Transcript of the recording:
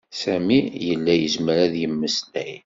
Sami yella yezmer ad yemmeslay.